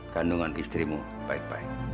kandungan istrimu baik baik